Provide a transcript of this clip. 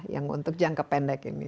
yang untuk jangka pendek ini